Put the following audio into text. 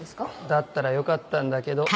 だったらよかったんだけど。